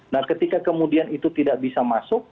nah ketika kemudian itu tidak bisa masuk